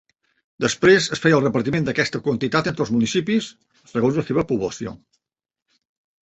Després es feia el repartiment d'aquesta quantitat entre els municipis, segons la seva població.